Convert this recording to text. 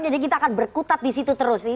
jadi kita akan berkutat di situ terus